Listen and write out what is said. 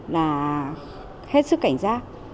là hết sức cảnh giác